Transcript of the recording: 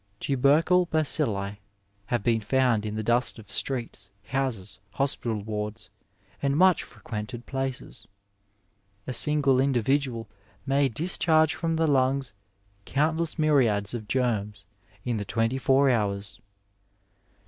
Tubercle bacilli have been found in the dust of streets, houses, hospital wards, and much frequented places. A single individual may discharge from the lungs countless myriads of germs in the twenty four hours. Dr.